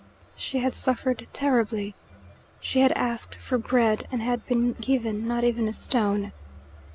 She had suffered terribly. She had asked for bread, and had been given not even a stone.